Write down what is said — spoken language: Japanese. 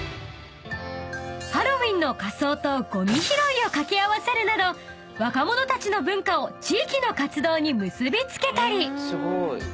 ［ハロウィーンの仮装とごみ拾いを掛け合わせるなど若者たちの文化を地域の活動に結び付けたり］